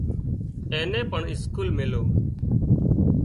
اين نين پڻ اسڪول ميليو